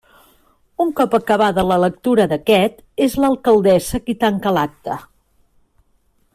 Un cop acabada la lectura d'aquest és l'alcaldessa qui tanca l'acte.